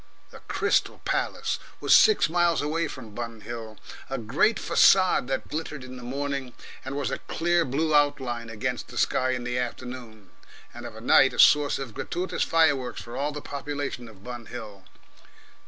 The Crystal Palace was six miles away from Bun Hill, a great facade that glittered in the morning, and was a clear blue outline against the sky in the afternoon, and of a night, a source of gratuitous fireworks for all the population of Bun Hill.